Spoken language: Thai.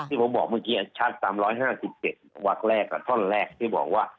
ที่ผมบอกเมื่อกี้ชัดตาม๑๕๗วักแรกท่อนแรกที่บอกว่า